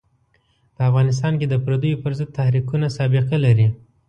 په افغانستان کې د پردیو پر ضد تحریکونه سابقه لري.